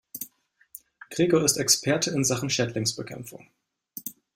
Gregor ist Experte in Sachen Schädlingsbekämpfung.